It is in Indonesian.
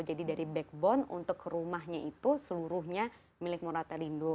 jadi dari backbone untuk rumahnya itu seluruhnya milik moratelindo